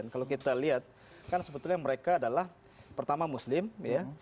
kalau kita lihat kan sebetulnya mereka adalah pertama muslim ya